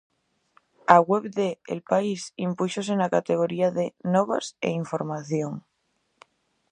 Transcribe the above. A web de El País impúxose na categoría de Novas e Información.